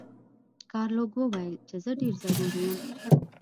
ګارلوک وویل چې زه ډیر زورور یم.